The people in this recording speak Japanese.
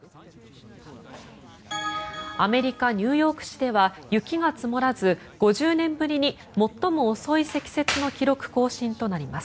アメリカ・ニューヨーク市では雪が積もらず５０年ぶりに最も遅い積雪の記録更新となります。